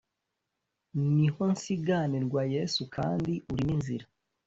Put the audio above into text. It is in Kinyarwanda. niho nsiganirwa, yesu kandi uri n’inzira